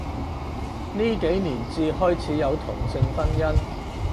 呢幾年至開始有同性婚姻